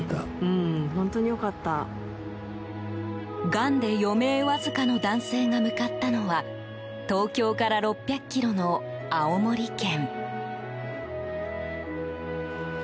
がんで余命わずかの男性が向かったのは東京から６００ｋｍの青森県。